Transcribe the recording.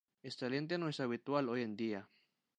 Esta lente no es habitual hoy en día.